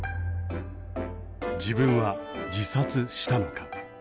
自分は自殺したのか。